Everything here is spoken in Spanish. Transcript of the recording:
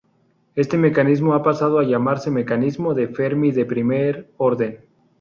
Este mecanismo ha pasado a llamarse "Mecanismo de Fermi de primer orden".